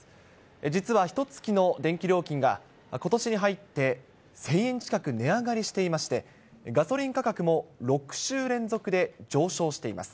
実はひとつきの電気料金が、ことしに入って１０００円近く値上がりしていまして、ガソリン価格も６週連続で上昇しています。